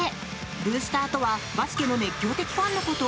ブースターとはバスケの熱狂的ファンのこと。